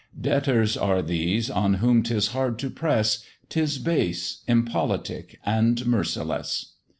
Debtors are these on whom 'tis hard to press, 'Tis base, impolitic, and merciless.